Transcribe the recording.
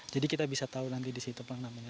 jadi kita bisa tahu nanti di situ pelang namanya